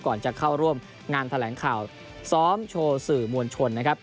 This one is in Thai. ก่อนจะเข้าร่วมงานแถลงข่าวซ้อมโชว์สื่อมวลชน